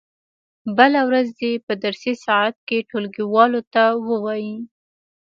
بله ورځ دې په درسي ساعت کې ټولګیوالو ته و وایي.